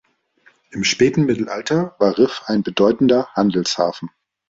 Im späten Mittelalter war Rif ein bedeutender Handelshafen.